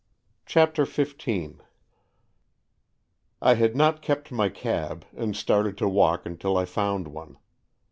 CHAPTER XV I HAD not kept my cab, and started to walk until I found one.